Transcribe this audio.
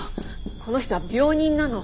この人は病人なの。